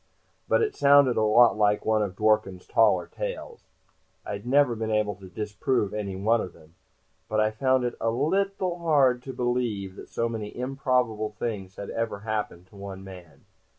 But it sounded a lot like one of Dworken's taller tales. I had never been able to disprove any one of them, but I found it a little hard to believe that so many improbable things had ever happened to one man.